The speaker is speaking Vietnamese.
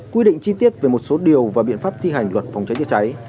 quy định chi tiết về một số điều và biện pháp thi hành luật phòng cháy chữa cháy